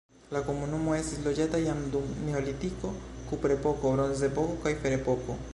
La komunumo estis loĝata jam dum neolitiko, kuprepoko, bronzepoko kaj ferepoko.